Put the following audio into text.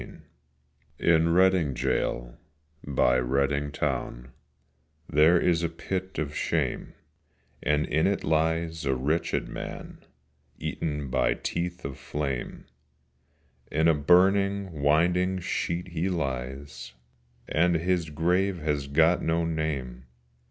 VI IN Reading gaol by Reading town There is a pit of shame, And in it lies a wretched man Eaten by teeth of flame, In a burning winding sheet he lies, And his grave has got no name.